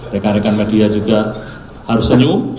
rekan rekan media juga harus senyum